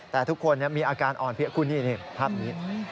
แต่ทุกคนมีอาการอ่อนเพียคุณนี่ภาพนี้